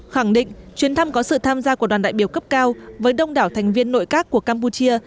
khẳng định chuyến thăm có sự tham gia của đoàn đại biểu cấp cao với đông đảo thành viên nội các của campuchia